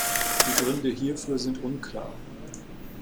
Die Gründe hierfür sind unklar.